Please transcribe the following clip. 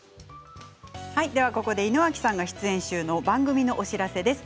ここで井之脇さんが出演中の番組のお知らせです。